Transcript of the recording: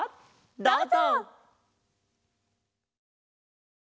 どうぞ！